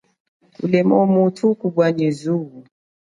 Ulemu wa muthu kupwa nyi zuwo.